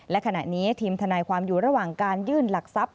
และขณะนี้ทีมทนายความอยู่ระหว่างการยื่นหลักทรัพย